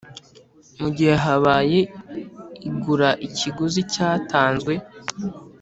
Mu gihe habaye igura ikiguzi cyatanzwe